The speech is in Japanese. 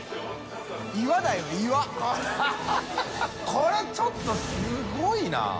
海ちょっとすごいな。